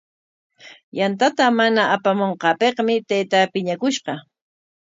Yantata mana apamunqaapikmi taytaa piñakushqa.